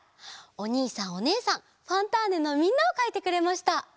おにいさんおねえさん「ファンターネ！」のみんなをかいてくれました。